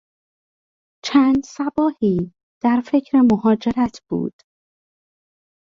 چند صباحی در فکر مهاجرت بود.